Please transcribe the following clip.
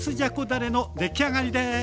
だれの出来上がりです。